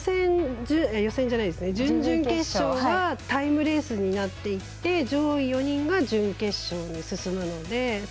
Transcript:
準々決勝はタイムレースになっていて上位４人が準決勝に進むので。